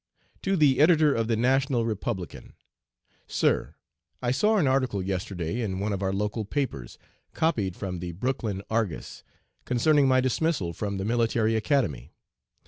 To the Editor of the National Republican: "SIR: I saw an article yesterday in one of our local papers, copied from the Brooklyn Argus, concerning my dismissal from the Military Academy.